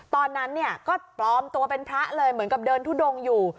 ตอนนั้นเนี่ยก็ปลอมตัวเป็นพระเลยเหมือนกับเดินทุดงอยู่